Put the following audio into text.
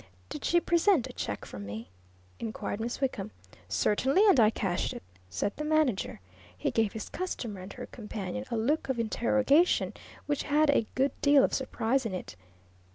"Did she present a check from me?" inquired Miss Wickham. "Certainly and I cashed it," said the manager. He gave his customer and her companion a look of interrogation which had a good deal of surprise in it.